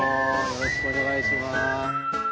よろしくお願いします。